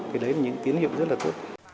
thì đấy là những tín hiệu rất là tốt